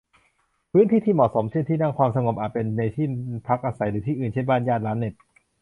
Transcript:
พื้นที่ที่เหมาะสม เช่น ที่นั่ง ความสงบ อาจเป็นในที่พักอาศัยหรือที่อื่น เช่น บ้านญาติ ร้านเน็ต